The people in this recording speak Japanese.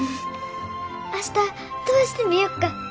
明日飛ばしてみよっか！